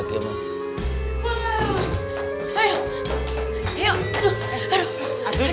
aduh aduh aduh